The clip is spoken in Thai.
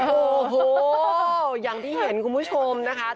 โอ้โหอย่างที่เห็นคุณผู้ชมนะคะ